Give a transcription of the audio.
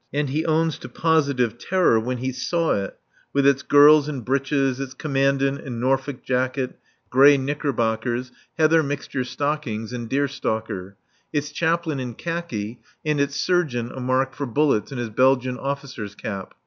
And he owns to positive terror when he saw it, with its girls in breeches, its Commandant in Norfolk jacket, grey knickerbockers, heather mixture stockings and deer stalker; its Chaplain in khaki, and its Surgeon a mark for bullets in his Belgian officer's cap.